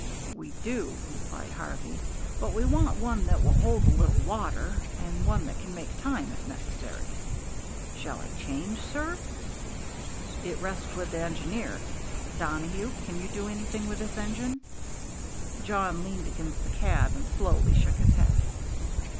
"We do," replied Harvey; "but we want one that will hold a little water, and one that can make time if necessary." "Shall I change, sir?" "It rests with the engineer. Donohue, can you do anything with this engine?" Jawn leaned against the cab and slowly shook his head.